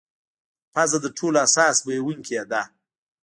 پزه تر ټولو حساس بویونکې ده.